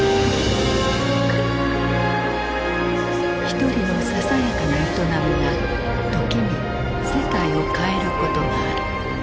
一人のささやかな営みが時に世界を変えることがある。